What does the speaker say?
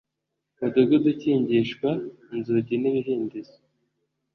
mudugudu ukingishwa inzugi n ibihindizo